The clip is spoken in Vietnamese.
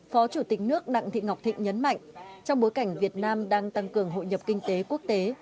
phó chủ tịch nước đặng thị ngọc thịnh nhấn mạnh trong bối cảnh việt nam đang tăng cường hội nhập kinh tế quốc tế